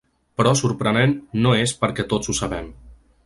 Però sorprenent no és perquè tots ho sabem.